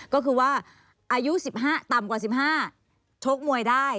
ก็คือว่าอายุ๑๕ต่ำกว่า๑๕ชกมวยได้